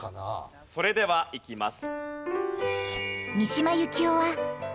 それではいきます。